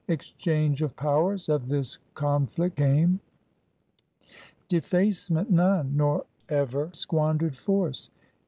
Exchange of powers of this conflict came; Defacement none, nor ever squandered force.